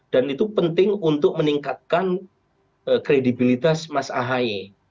dan itu penting untuk meningkatkan kredibilitas mas ahaye